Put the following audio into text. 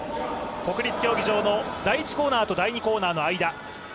国立競技場の第１コーナーと第２コーナーの間。